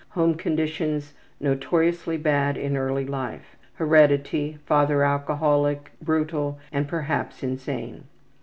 Home conditions: Notoriously bad in early life. Heredity: Father alcoholic, brutal, and perhaps insane.